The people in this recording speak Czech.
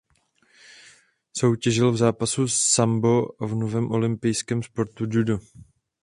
Soutěžil v zápasu sambo a v novém olympijském sportu judo.